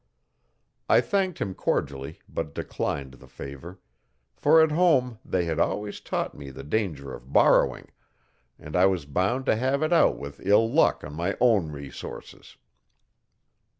I thanked him cordially, but declined the favour, for at home they had always taught me the danger of borrowing, and I was bound to have it out with ill luck on my own resources.